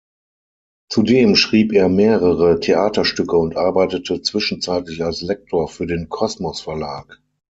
Zudem schrieb er mehrere Theaterstücke und arbeitete zwischenzeitlich als Lektor für den Kosmos-Verlag.